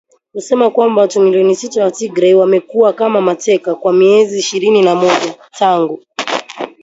kusema kwamba watu milioni sita wa Tigray wamekuwa kama mateka kwa miezi ishirini na moja tangu